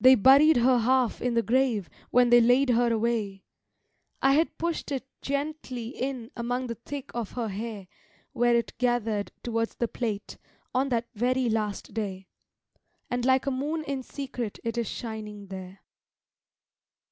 They buried her half in the grave when they laid her away; I had pushed it gently in among the thick of her hair Where it gathered towards the plait, on that very last day; And like a moon in secret it is shining there.